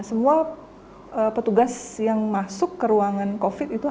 semua petugas yang masuk ke ruangan covid sembilan belas itu harusnya